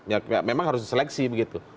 ya memang harus diseleksi begitu